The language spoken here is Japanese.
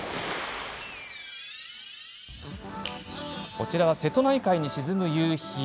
こちらは瀬戸内海に沈む夕日。